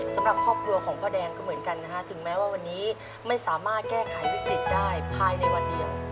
สำหรับครอบครัวของพ่อแดงก็เหมือนกันนะฮะถึงแม้ว่าวันนี้ไม่สามารถแก้ไขวิกฤตได้ภายในวันเดียว